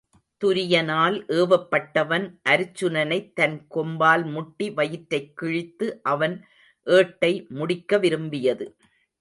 துரியனால் ஏவப்பட்டவன் அருச்சுனனைத் தன் கொம்பால் முட்டி வயிற்றைக் கிழித்து அவன் ஏட்டை முடிக்கவிரும்பியது.